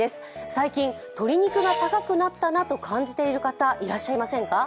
最近、鶏肉が高くなったなと感じている方、いらっしゃいませんか。